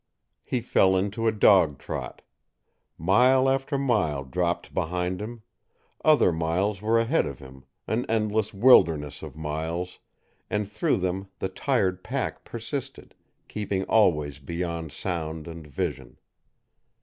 He fell into a dog trot. Mile after mile dropped behind him; other miles were ahead of him, an endless wilderness of miles, and through them the tired pack persisted, keeping always beyond sound and vision.